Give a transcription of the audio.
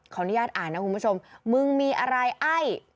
อนุญาตอ่านนะคุณผู้ชมมึงมีอะไรไอ้